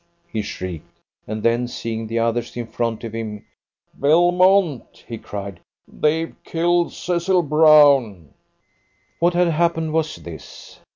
he shrieked, and then, seeing the others in front of him, "Belmont," he cried, "they've killed Cecil Brown." What had happened was this.